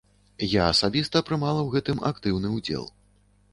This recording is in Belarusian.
Я асабіста прымала ў гэтым актыўны ўдзел.